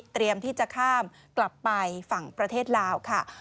ที่จะข้ามกลับไปฝั่งประเทศลาวค่ะ